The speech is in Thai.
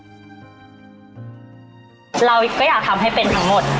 เราก็อยากทำให้เป็นทั้งหมด